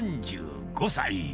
３５歳。